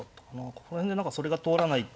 ここら辺で何かそれが通らないと。